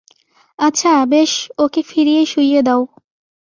আচ্ছা, বেশ, ওকে ফিরিয়ে শুইয়ে দাও।